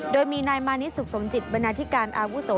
โดยมีนายมานิดสุขสมจิตบรรณาธิการอาวุโส